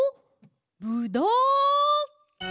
ぶどう！